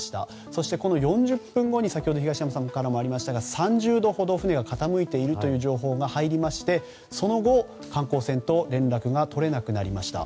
そして、この４０分後に、先ほど東山さんからもありましたが３０度ほど船が傾いているという情報が入りましてその後、観光船と連絡が取れなくなりました。